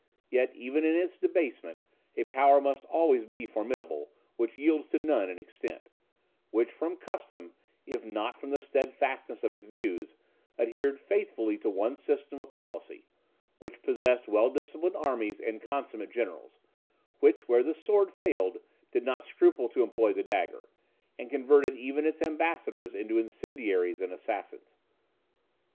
Yet, even in its debasement, a power must always be formidable, which yields to none in extent; which, from custom, if not from the steadfastness of its views, adhered faithfully to one system of policy; which possessed well disciplined armies and consummate generals; which, where the sword failed, did not scruple to employ the dagger; and converted even its ambassadors into incendiaries and assassins.